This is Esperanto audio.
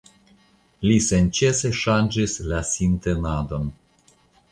Li senĉese ŝanĝis la sintenadon.